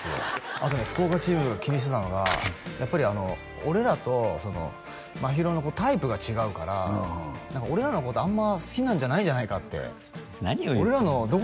あとね福岡チームが気にしてたのがやっぱりあの俺らとその真宙のタイプが違うから俺らのことあんま好きなんじゃないんじゃないかって何を言ってるんですか